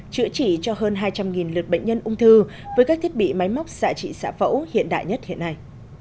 chữa trị cho hơn hai trăm linh lượt bệnh nhân ung thư với các thiết bị máy móc xạ trị xã phẫu hiện đại nhất hiện nay